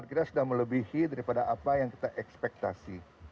jadi standar kita sudah melebihi daripada apa yang kita ekspektasi